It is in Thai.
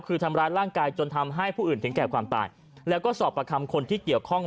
คือทำร้ายร่างกายจนทำให้ผู้อื่นถึงแก่ความตายแล้วก็สอบประคำคนที่เกี่ยวข้อง